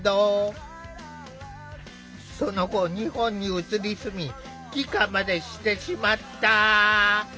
その後日本に移り住み帰化までしてしまった。